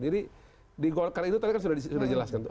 jadi di golkar itu tadi kan sudah dijelaskan tuh